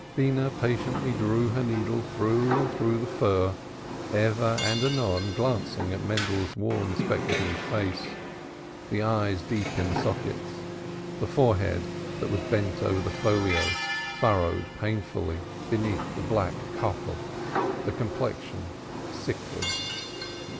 Beenah patiently drew her needle through and through the fur, ever and anon glancing at Mendel's worn spectacled face, the eyes deep in the sockets, the forehead that was bent over the folio furrowed painfully beneath the black Koppel, the complexion sickly.